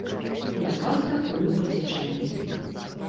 Я проста плыў па цячэнні.